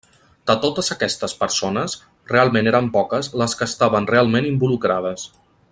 De totes aquestes persones, realment eren poques les que estaven realment involucrades.